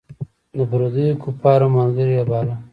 د پردیو کفارو ملګری باله.